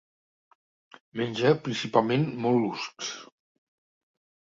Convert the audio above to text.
Menja principalment mol·luscs.